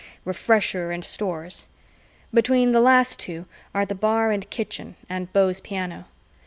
Refresher and Stores. Between the last two are the bar and kitchen and Beau's piano.